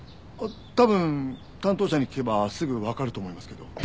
多分担当者に聞けばすぐわかると思いますけど。